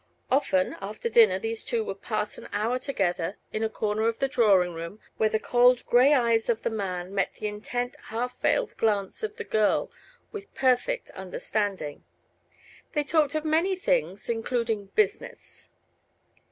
Often after dinner these two would pass an hour together in a corner of the drawing room, where the cold gray eyes of the man met the intent, half veiled glance of the girl with perfect understanding. They talked of many things, including business.